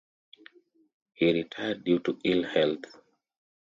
He retired due to ill health.